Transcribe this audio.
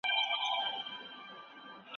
هسپانیا هم په دې برخه کې شهرت لري.